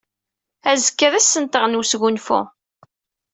Azekka d ass-nteɣ n wesgunfu.